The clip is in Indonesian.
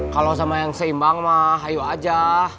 kalau sama yang seimbang mah ayo aja